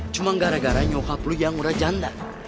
cuma gara gara nyokap lu yang udah janda